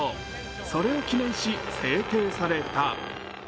それを記念し、制定された。